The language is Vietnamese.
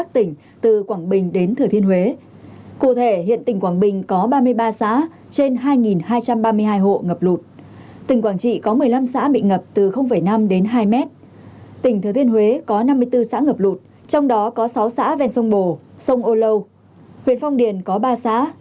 tỉnh thừa thiên huế có năm mươi bốn xã ngập lụt trong đó có sáu xã ven sông bồ sông âu lâu huyện phong điền có ba xã